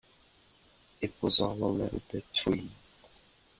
It was all a little bit twee.